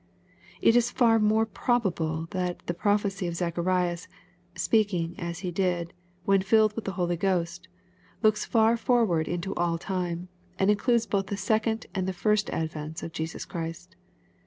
It is far more probable that the prophecy of Zacharias, speaking, as he did, when filled with the Holy Ghost, looks far forward into all time, and includes both the second and the first advents of Jesus Christ.